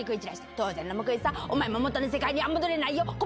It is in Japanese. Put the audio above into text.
当然の報いさ、お前も元の世界には戻れないよ。